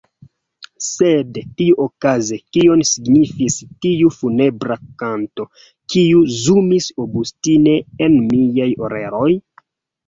Sed, tiuokaze, kion signifis tiu funebra kanto, kiu zumis obstine en miaj oreloj?